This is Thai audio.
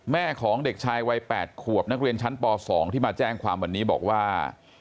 แม่ของเด็กชายวัย๘ขวบนักเรียนชั้นป๒ที่มาแจ้งความวันนี้บอกว่า